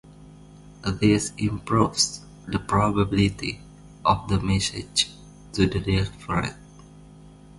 This improves the probability of the message to be delivered.